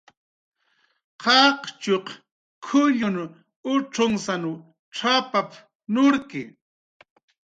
"Qaqchuq k""ullun ucx""unsaw cx""apap"" nurki"